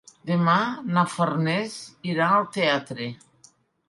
Demà na Farners irà al teatre.